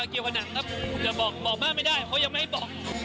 เกี่ยวกับหนังครับแต่บอกบ้านไม่ได้เพราะยังไม่ให้บอก